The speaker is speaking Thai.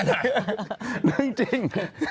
เรื่องจริง